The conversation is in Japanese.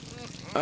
あ！